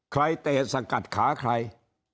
เตะสกัดขาใคร